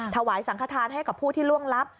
ถวายสังขทานให้กับผู้ที่ล่วงลับ